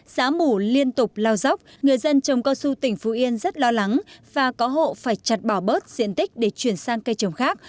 xã mù liên tục lao dốc người dân trồng cao su tỉnh phú yên rất lo lắng và có hộ phải chặt bỏ bớt diện tích để chuyển sang cây trồng khác